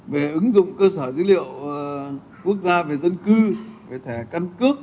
về ứng dụng cơ sở dữ liệu quốc gia về dân cư về thẻ căn cước